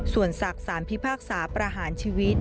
ส่วนศักดิ์สารพิพากษาประหารชีวิต